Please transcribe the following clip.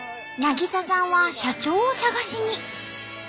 渚さんは社長を探しに。